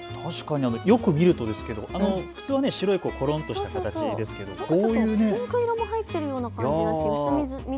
よく見るとですけど普通は白いころんとした形ですけどこういうピンク色も入っているような感じなんですね。